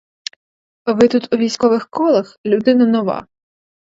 Ви тут у військових колах людина нова.